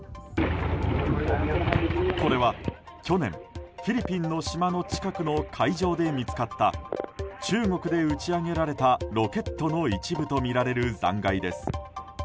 これは去年、フィリピンの島の近くの海上で見つかった中国で打ち上げられたロケットの一部とみられる残骸です。